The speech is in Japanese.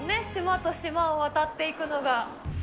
島と島を渡っていくのが。